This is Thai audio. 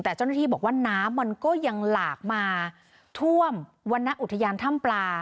แต่เจ้าหน้าที่บอกว่าน้ำมันก็ยังหลากมาท่วมวรรณอุทยานถ้ำปลา